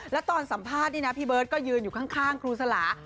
แล้วตอนสัมภาษณ์นี่นะพี่เบิร์ตก็ยืนอยู่ข้างครูสลา